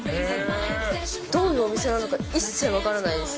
どういうお店なのか、一切分からないです。